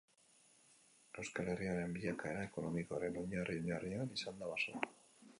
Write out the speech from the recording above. Euskal Herriaren bilakaera ekonomikoaren oinarri-oinarrian izan da basoa.